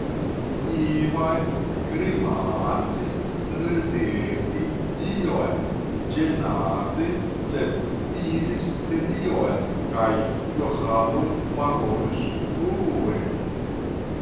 Ivan grimace ridetis iom ĝenate, sed diris nenion kaj Johano parolis plue.